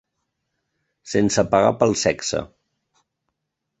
Sense pagar pel sexe.